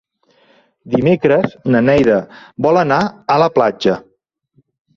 Dimecres na Neida vol anar a la platja.